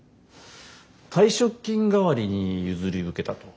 退職金代わりに譲り受けたと。